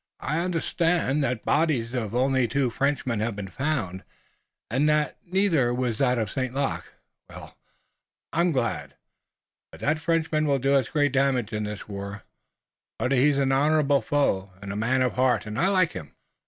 I understand that the bodies of only two Frenchmen have been found and that neither was that of St. Luc. Well, I'm glad. That Frenchman will do us great damage in this war, but he's an honorable foe, and a man of heart, and I like him."